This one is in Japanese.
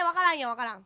わからん。